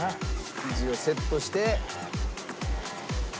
生地をセットして。